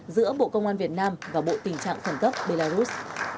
giữa bộ công an việt nam và bộ tình trạng khẩn cấp belarus